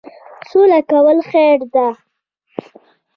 سوله کول خیر دی